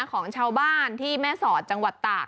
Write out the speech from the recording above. ของชาวบ้านที่แม่สอดจังหวัดตาก